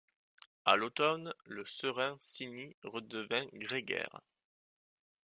À l’automne, le Serin cini redevient grégaire.